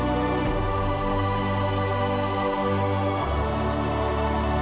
kamu takut kehilangan suara kamu